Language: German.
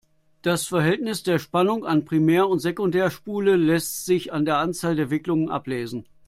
Das Verhältnis der Spannung an Primär- und Sekundärspule lässt sich an der Anzahl der Wicklungen ablesen.